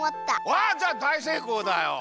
わっじゃあだいせいこうだよ！